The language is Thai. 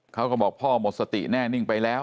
เขาก็บอกพ่อหมดสติแน่นิ่งไปแล้ว